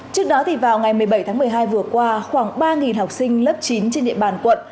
trước đó vào ngày một mươi bảy tháng một mươi hai vừa qua khoảng ba học sinh lớp chín trên địa bàn quận